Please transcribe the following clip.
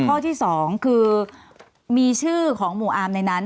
ข้อที่๒คือมีชื่อของหมู่อาร์มในนั้น